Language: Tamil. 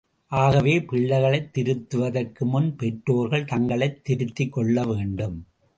ஆகவே பிள்ளைகளைத் திருத்துவதற்குமுன் பெற்றோர்கள் தங்களைத் திருத்திக் கொள்ளவேண்டும்.